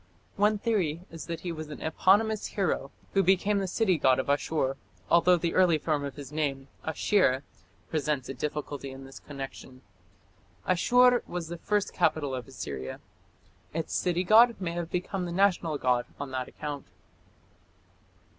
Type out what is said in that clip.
One theory is that he was an eponymous hero who became the city god of Asshur, although the early form of his name, Ashir, presents a difficulty in this connection. Asshur was the first capital of Assyria. Its city god may have become the national god on that account.